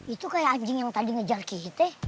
itu kayak anjing yang tadi ngejar ke kita